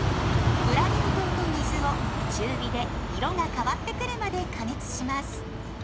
グラニュー糖と水を中火で色が変わってくるまで加熱します。